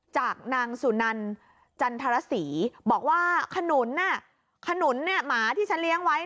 จากนางสุนันจันทรศรีบอกว่าขนุนขนุนหมาที่ฉันเลี้ยงไว้